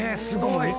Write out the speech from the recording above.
すごい！